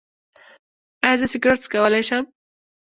ایا زه سګرټ څکولی شم؟